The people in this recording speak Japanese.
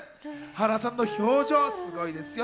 原さんの表情、すごいですよ。